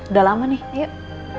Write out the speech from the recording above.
udah lama nih yuk